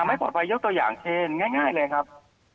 ไม่ปลอดภัยยกตัวอย่างเช่นง่ายเลยครับ